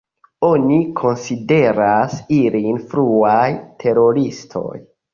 Oni konsideras ilin fruaj teroristoj.